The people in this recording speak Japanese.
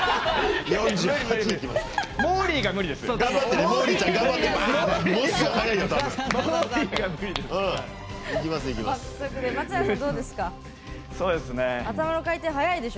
もーりーが無理です！